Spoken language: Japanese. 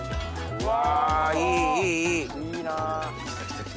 うわ。